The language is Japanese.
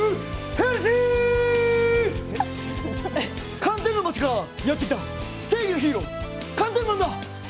寒天の町からやってきた正義のヒーロー寒天マンだ！